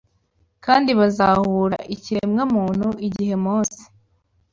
kandi bazahure ikiremwamuntu Igihe Mose